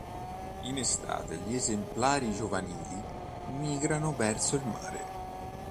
In estate gli esemplari giovanili migrano verso il mare.